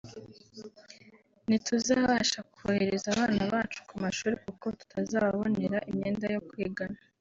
ntituzabasha kohereza abana bacu ku mashuri kuko tutazababonera imyenda yo kwigana